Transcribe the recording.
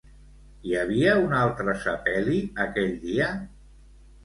Hi havia un altre sepeli aquell dia?